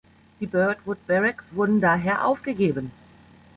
Die "Birdwood Barracks" wurden daher aufgegeben.